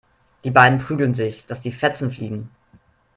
Die beiden prügeln sich, dass die Fetzen fliegen.